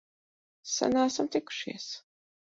Sen neesam tikušies!